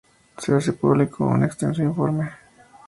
Se hace público un extenso informe